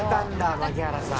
槙原さん」